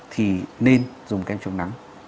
thì nên dùng kem chống nắng